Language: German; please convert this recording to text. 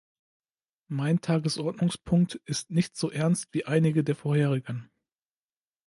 Mein Tagesordnungspunkt ist nicht so ernst wie einige der vorherigen.